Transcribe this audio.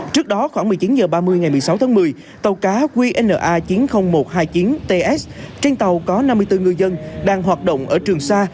trước đó khoảng một mươi chín h ba mươi ngày một mươi sáu tháng một mươi tàu cá qna chín mươi nghìn một trăm hai mươi chín ts trên tàu có năm mươi bốn ngư dân đang hoạt động ở trường sa